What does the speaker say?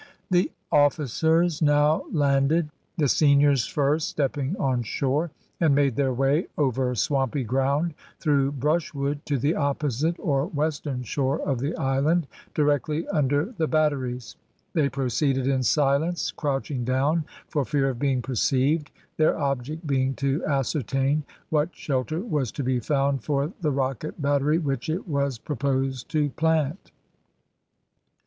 The officers now landed, the seniors first stepping on shore, and made their way over swampy ground, through brushwood, to the opposite or western shore of the island, directly under the batteries. They proceeded in silence, crouching down for fear of being perceived, their object being to ascertain what shelter was to be found for the rocket battery which it was proposed to plant.